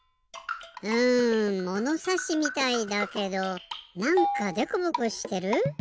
うんものさしみたいだけどなんかでこぼこしてる？